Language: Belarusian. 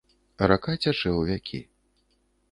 Рака цячэ ў вякі.